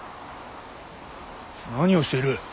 何をしている。